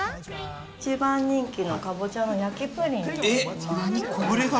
一番人気のカボチャの焼きプリンです。